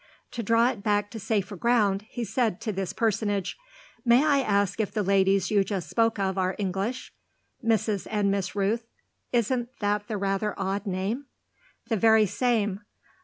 To draw it back to safer ground he said to this personage: "May I ask if the ladies you just spoke of are English Mrs. and Miss Rooth: isn't that the rather odd name?" "The very same.